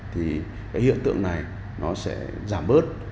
thì cái hiện tượng này nó sẽ giảm bớt